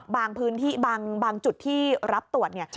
บางพื้นที่บางจุดที่รับตรวจเนี่ย